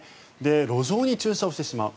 路上に駐車をしてしまう。